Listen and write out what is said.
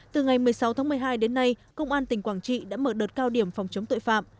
từ ngày một mươi sáu tháng một mươi hai đến nay công an tỉnh quảng trị đã mở đợt cao điểm phòng chống tội phạm